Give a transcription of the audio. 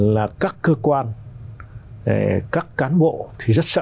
là các cơ quan các cán bộ thì rất sợ